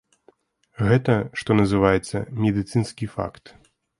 Гэта, што называецца, медыцынскі факт.